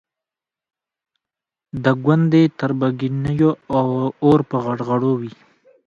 د ګوندي تربګنیو اور په غړغړو وي.